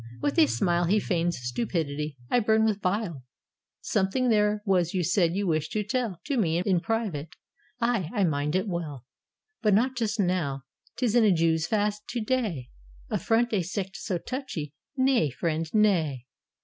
With a smile He feigns stupidity: I bum with bile. "Something there was you said you wished to tell To me in private." "Ay, I mind it well; But not just now : 't is a Jews' fast to day : Affront a sect so touchy: nay, friend, nay."